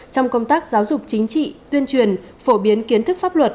trong công tác giáo dục chính trị tuyên truyền phổ biến kiến thức pháp luật